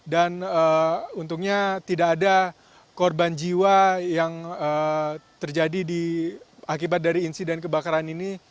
dan untungnya tidak ada korban jiwa yang terjadi akibat dari insiden kebakaran ini